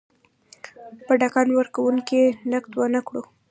که ټکان ورکونکی نقد ونه کړو.